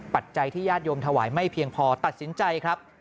ปัจจัยที่ญาติโยมถวายไม่เพียงพอตัดสินใจครับ